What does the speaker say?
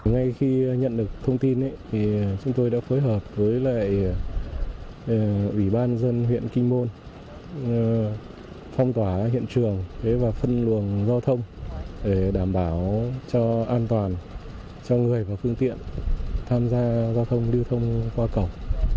ngay khi nhận được thông tin chúng tôi đã phối hợp với ủy ban dân huyện kinh môn phong tỏa hiện trường và phân luồng giao thông để đảm bảo cho an toàn cho người và phương tiện tham gia giao thông lưu thông qua cổng